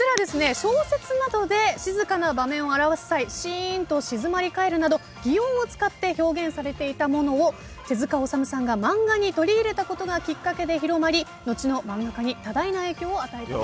小説などで静かな場面を表す際「シーンと静まり返る」など擬音を使って表現されていたものを手塚治虫さんが漫画に取り入れたことがきっかけで広まり後の漫画家に多大な影響を与えたと。